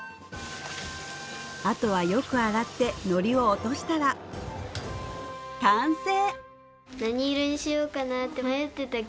あとはよく洗ってのりを落としたら完成！